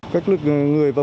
cách lực người và phương tiện